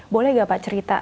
boleh nggak pak cerita